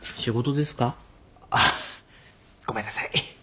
あっごめんなさい。